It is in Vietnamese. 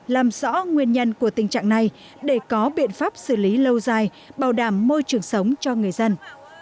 làm rõ nguyên nhân của tình trạng này để có biện pháp xử lý lâu dài bảo đảm môi trường sống cho người dân